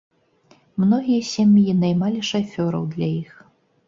Многія сем'і наймалі шафёраў для іх.